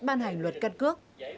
ban hành luật căn cước